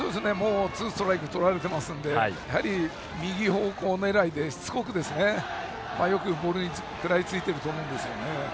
ツーストライクをとられていますのでやはり右方向狙いで、しつこくよくボールに食らいついていると思うんですね。